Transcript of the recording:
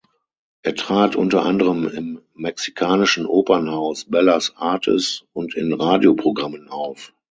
Er trat unter anderem im mexikanischen Opernhaus Bellas Artes und in Radioprogrammen auf.